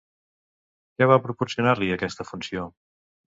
Què va proporcionar-li aquesta funció?